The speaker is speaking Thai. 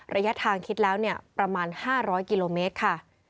ระยะทางคิดแล้วประมาณ๕๐๐กิโลเมตรค่ะ